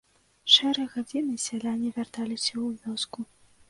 Шэрай гадзінай сяляне вярталіся ў вёску.